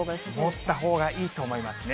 持ったほうがいいと思いますね。